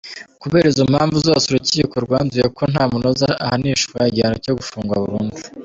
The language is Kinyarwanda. Kubera izo mpamvu zose urukiko rwanzuye ko ntamunoza ahanishwa igihano cyo “gufungwa burundu.